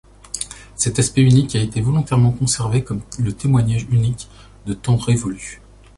Cet aspect unique a été volontairement conservé, comme le témoignage unique de temps révolus.